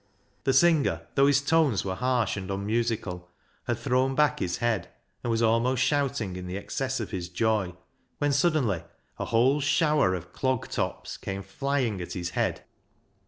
The singer, though his tones were harsh and unmusical, had thrown back his head, and was almost shouting in the excess of his joy, when suddenly a whole shower of clog tops came flying at his head.